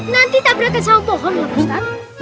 nanti tabrakan sama pohon ya ustaz